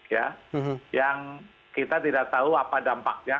ya yang kita tidak tahu apa dampaknya